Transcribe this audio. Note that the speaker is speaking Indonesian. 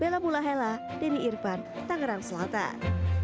bella mula hela denny irvan tangerang selatan